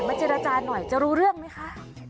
มาเจราภาหน่อยจะรู้เรื่องมั้ยคะ